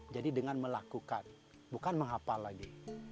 jadi dengan melakukan bukan menghapal lagi